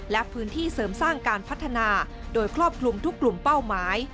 และพื้นที่เสริมสร้างการพัฒนาโดยครอบคลุมทุกกลุ่มเป้าหมาย